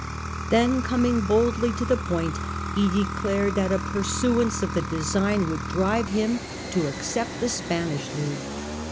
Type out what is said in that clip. Then, coming boldly to the point, he declared that a pursuance of the design would drive him to accept the Spanish league.